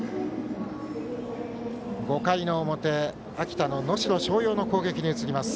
５回の表秋田の能代松陽の攻撃です。